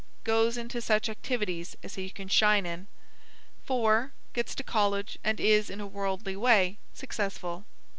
Goes into such activities as he can shine in. 4. Gets to college and is, in a worldly way, successful.